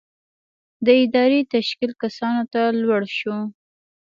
د ادارې تشکیل کسانو ته لوړ شو.